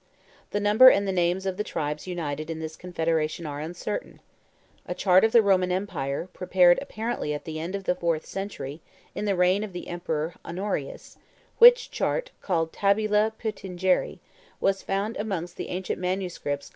The number and the names of the tribes united in this confederation are uncertain. A chart of the Roman empire, prepared apparently at the end of the fourth century, in the reign of the Emperor Honorius (which chart, called tabula Peutingeri, was found amongst the ancient MSS.